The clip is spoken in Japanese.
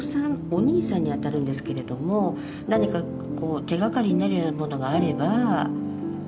お兄さんにあたるんですけれども何かこう手がかりになるようなものがあれば。